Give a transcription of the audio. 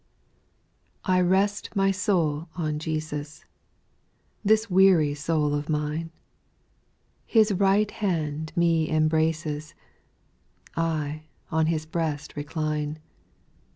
3. I rest my soul on Jesus, This weary soul of mine ; His right hand me embraces, I on his breast recline.